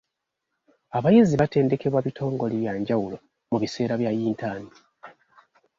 Abayizi batendekebwa bitongole bya njawulo mu biseera bya yintaani.